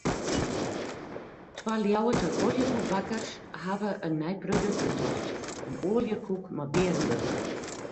Twa Ljouwerter oaljekoekbakkers hawwe in nij produkt betocht: in oaljekoek mei bearenburch.